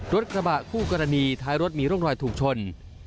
รถกระบะคู่กรณีท้ายรถมีร่องรอยถูกชน